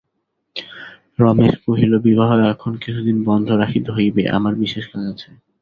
রমেশ কহিল, বিবাহ এখন কিছুদিন বন্ধ রাখিতে হইবে–আমার বিশেষ কাজ আছে।